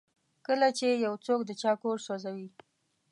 کله چې یو څوک د چا کور سوځوي.